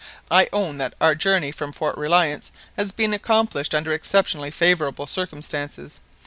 I own that our journey from Fort Reliance has been accomplished under exceptionally favourable circumstances.